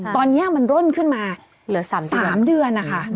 ตอนนี้มันร่นขึ้นมาเหลือ๓เดือนนะคะ